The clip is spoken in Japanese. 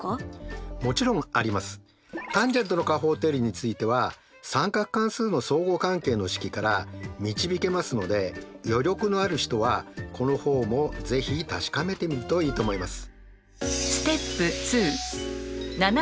ｔａｎの加法定理については三角関数の相互関係の式から導けますので余力のある人はこの方も是非確かめてみるといいと思います。